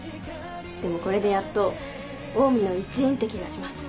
でもこれでやっとオウミの一員って気がします。